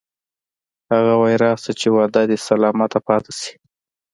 هغه وایی راشه چې وعده دې سلامته پاتې شي